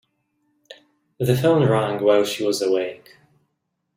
The phone rang while she was awake.